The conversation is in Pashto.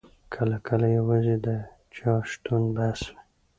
کله کله یوازې د چا شتون بس وي.